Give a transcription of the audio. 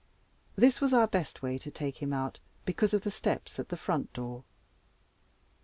This was our best way to take him out, because of the steps at the front door.